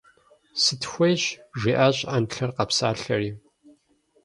– Сытхуейщ! – жиӀащ Ӏэнлъэр къэпсалъэри.